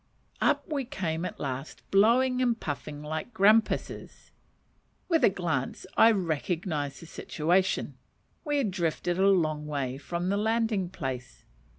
Up we came at last, blowing and puffing like grampuses. With a glance I "recognized the situation:" we had drifted a long way from the landing place.